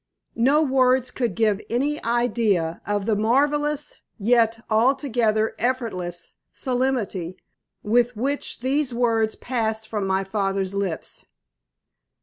No words could give any idea of the marvellous yet altogether effortless solemnity with which these words passed from my father's lips.